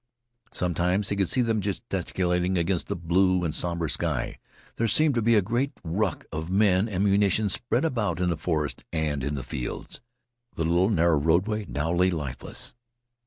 Sometimes he could see them gesticulating against the blue and somber sky. There seemed to be a great ruck of men and munitions spread about in the forest and in the fields. The little narrow roadway now lay lifeless.